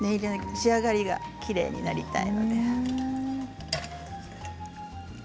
仕上がりがきれいになります。